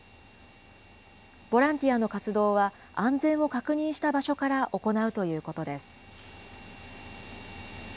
ボランティアの活動は安全を確認した場所から行うということです。